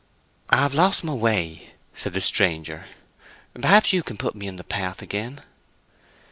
"I have lost my way," said the stranger. "Perhaps you can put me in the path again."